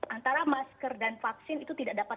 antara masker dan vaksin itu tidak dapat